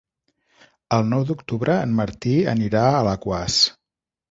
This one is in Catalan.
El nou d'octubre en Martí anirà a Alaquàs.